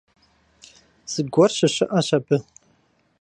Зыгуэр щыщыӀэщ абы…